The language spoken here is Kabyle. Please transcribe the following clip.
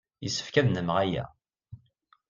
Yessefk ad nnameɣ aya.